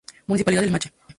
Municipalidad de Limache.